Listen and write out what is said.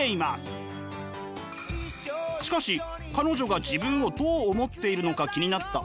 しかし彼女が自分をどう思っているのか気になったＡさん。